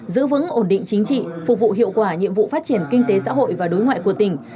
giữ vững ổn định chính trị phục vụ hiệu quả nhiệm vụ phát triển kinh tế xã hội và đối ngoại của tỉnh